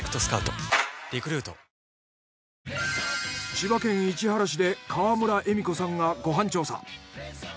千葉県市原市で川村エミコさんがご飯調査。